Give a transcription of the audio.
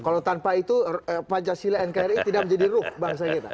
kalau tanpa itu pancasila nkri tidak menjadi ruh bangsa kita